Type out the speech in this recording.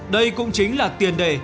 đây cũng chính là tiền đề